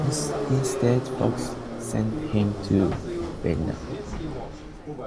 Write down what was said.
Instead Fox sent him to Vienna.